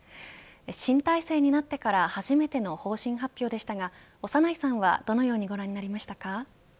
新体制になってから初めての方針発表でしたが長内さんはどのようにご覧になりましたか。